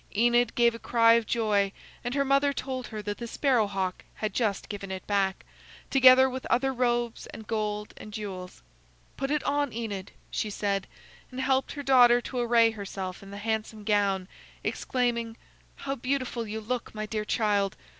Enid gave a cry of joy, and her mother told her that the Sparrow hawk had just given it back, together with other robes and gold and jewels. "Put it on, Enid," she said, and helped her daughter to array herself in the handsome gown, exclaiming: "How beautiful you look, my dear child!